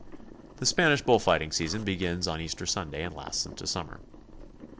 The Spanish bull fighting season begins on Easter Sun day and lasts into summer.